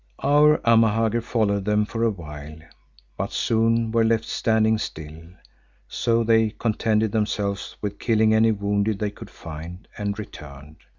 Our Amahagger followed them for a while, but soon were left standing still. So they contented themselves with killing any wounded they could find and returned.